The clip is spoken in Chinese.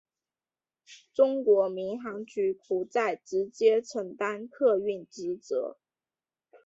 中国民航局不再直接承担客运职责。